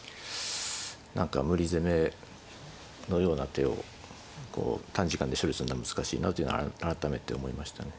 何か無理攻めのような手をこう短時間で処理すんのは難しいなというのは改めて思いましたね。